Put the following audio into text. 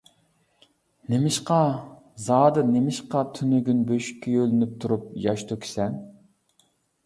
نېمىشقا؟ زادى نېمىشقا تۈنۈگۈن بۆشۈككە يۆلىنىپ تۇرۇپ ياش تۆكىسەن؟ !